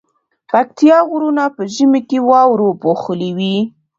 پکتيا غرونه په ژمی کی واورو پوښلي وی